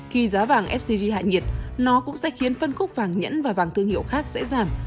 khi giá vàng sgg hại nhiệt nó cũng sẽ khiến phân khúc vàng nhẫn và vàng thương hiệu khác sẽ giảm